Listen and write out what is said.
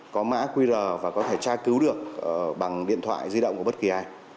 có mã qr và có thể tra cứu được bằng điện thoại di động của bất kỳ ai